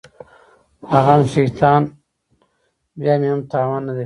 هغه هم شيطان بيا مې هم تاوان نه دى کړى.